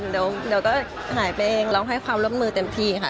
เดี๋ยวก็หายไปเองเราให้ความร่วมมือเต็มที่ค่ะ